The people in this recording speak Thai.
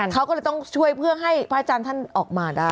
เขาเลยต้องช่วยกันเพื่อให้พระท่านท่านออกมาได้